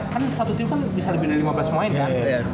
kan satu tim kan bisa lebih dari lima belas pemain kan